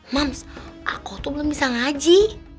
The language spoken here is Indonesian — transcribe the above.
mams aku tuh belum bisa ngaji